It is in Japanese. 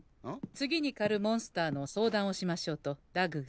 次にかるモンスターの相談をしましょうとダグが。